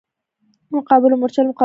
مقابل مورچل مقاومتونه دي.